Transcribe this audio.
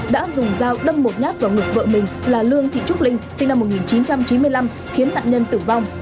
đã dùng dao đâm một nhát vào ngực vợ mình là lương thị trúc linh sinh năm một nghìn chín trăm chín mươi năm khiến nạn nhân tử vong